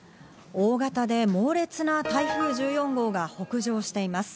大型で猛烈な台風１４号が北上しています。